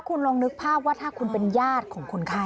สมมุติว่าถ้าเป็นยากของคุณมา